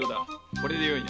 これでよいな。